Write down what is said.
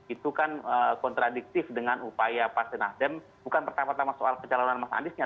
itu kan kontradiktif dengan upaya pak t nasdem bukan pertama tama soal kecalonan mas andisnya